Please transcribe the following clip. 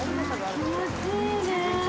気持ちいいね。